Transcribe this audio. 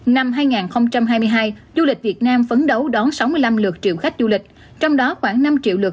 năm hai nghìn hai mươi hai du lịch việt nam phấn đấu đón sáu mươi năm lượt triệu khách du lịch trong đó khoảng năm triệu lượt